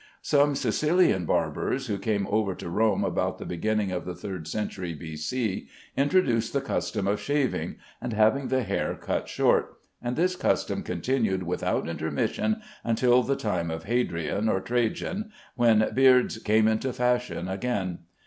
Some Sicilian barbers, who came over to Rome about the beginning of the third century B.C., introduced the custom of shaving and having the hair cut short, and this custom continued without intermission until the time of Hadrian or Trajan, when beards came into fashion again.